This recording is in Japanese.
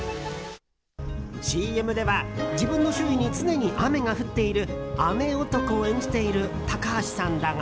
ＣＭでは自分の周囲に常に雨が降っている雨男を演じている高橋さんだが。